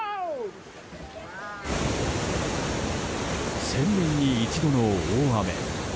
１０００年に一度の大雨。